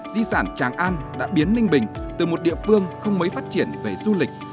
di sản tràng an đã biến ninh bình từ một địa phương không mới phát triển về du lịch